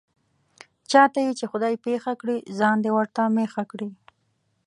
چاته یې چې خدای پېښه کړي، ځان دې ورته مېښه کړي.